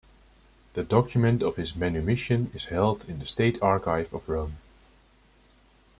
The document of his manumission is held in the state archive of Rome.